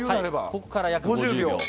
ここから約５０秒。